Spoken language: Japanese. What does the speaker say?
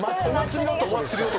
お祭り男